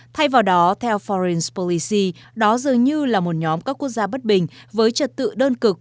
thay vào đó theo forrincepuec đó dường như là một nhóm các quốc gia bất bình với trật tự đơn cực